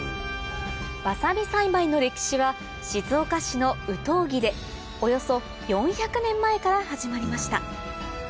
わさび栽培の歴史は静岡市の有東木でおよそ４００年前から始まりました